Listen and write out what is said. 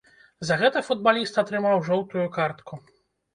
За гэта футбаліст атрымаў жоўтую картку.